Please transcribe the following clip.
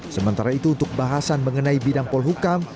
sementara itu untuk bahasan mengenai bidang polhukam